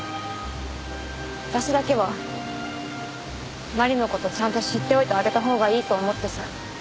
私だけは麻里の事ちゃんと知っておいてあげたほうがいいと思ってさ。